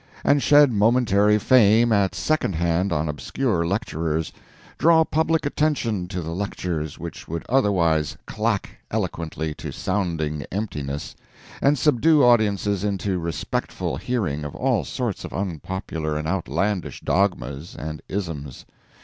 and shed momentary fame at second hand on obscure lecturers, draw public attention to lectures which would otherwise clack eloquently to sounding emptiness, and subdue audiences into respectful hearing of all sorts of unpopular and outlandish dogmas and isms.